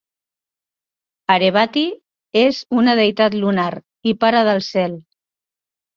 Arebati és una deïtat lunar i Pare del Cel.